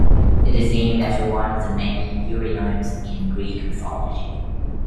It is named after one of the many Eurynomes in Greek mythology.